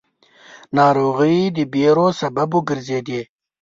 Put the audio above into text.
ناروغۍ د وېرو سبب وګرځېدې.